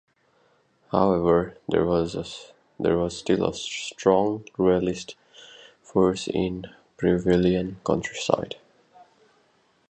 However, there was still a strong royalist force in the Peruvian countryside.